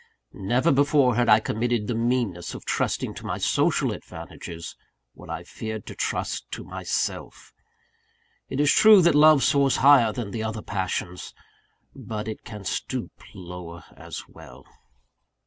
Never before had I committed the meanness of trusting to my social advantages, what I feared to trust to myself. It is true that love soars higher than the other passions; but it can stoop lower as well.